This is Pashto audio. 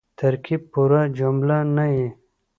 ترکیب پوره جمله نه يي.